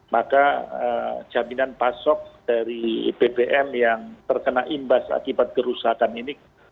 maka jaminan pasok dari bbm yang terkena imbas akibat kerusakan ini